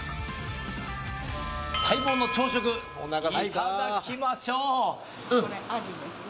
待望の朝食いただきましょうおなかすいたこれあじですね